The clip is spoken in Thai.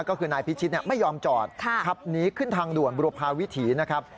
ก็คือนายพิชิตไม่ยอมจอดขับหนีขึ้นทางด่วนบุรพาวิถีนะครับ